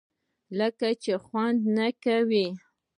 لکه چې خوند یې نه کاوه.